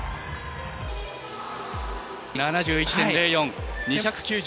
７１．０４。